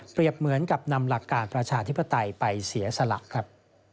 เหมือนกับนำหลักการประชาธิปไตยไปเสียสละครับ